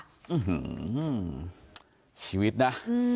อื้อหือชีวิตนะ